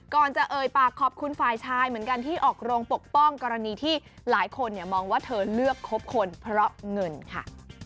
ก่อนจะเอ่ยปากขอบคุณฝ่ายชายเหมือนกันที่ออกโรงปกป้องกรณีที่หลายคนมองว่าเธอเลือกครบคนเพราะเงินค่ะ